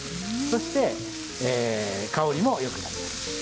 そして香りも良くなります。